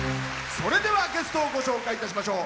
それではゲストをご紹介いたしましょう。